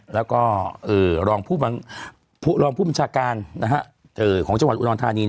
แล้วก็รองผู้บัญชาการของจังหวัดอุดรธานี